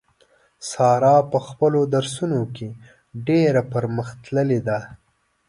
ساره په خپلو درسو نو کې ډېره پر مخ تللې ده.